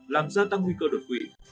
làm ra tăng huy cơ đột quỵ